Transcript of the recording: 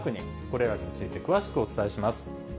これらについて詳しくお伝えします。